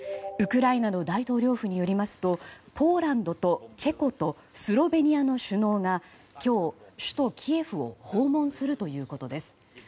ウクライナの大統領府によりますとポーランドとチェコとスロベニアの首脳が今日、首都キエフを訪問するということです。